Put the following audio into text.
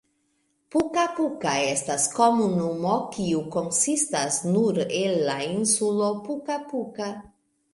Puka-Puka estas komunumo kiu konsistas nur el la insulo Puka-Puka.